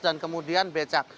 dan kemudian becak